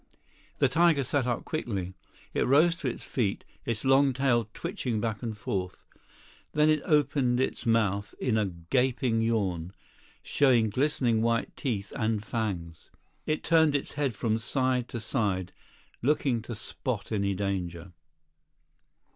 The tiger sat up quickly. It rose to its feet, its long tail switching back and forth. Then it opened its mouth in a gaping yawn, showing glistening white teeth and fangs. It turned its head from side to side, looking to spot any danger.